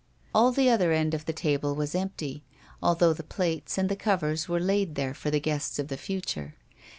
All the other end of the table was empty, although the plates and the covers were laid there for the guests of the future.